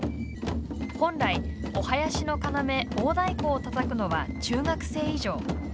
本来、お囃子の要大太鼓をたたくのは中学生以上。